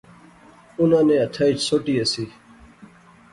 اۃناں نے ہتھا اچ سوٹی اسی